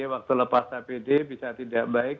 waktu lepas apd bisa tidak baik